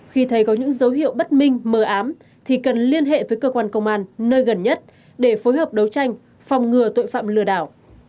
khi thấy có những dấu hiệu bất minh mờ ám thì cần liên hệ với cơ quan công an nơi gần nhất để phối hợp đấu tranh phòng ngừa tội phạm lừa đảo